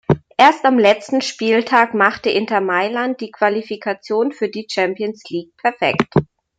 Erst am letzten Spieltag machte Inter Mailand die Qualifikation für die Champions League perfekt.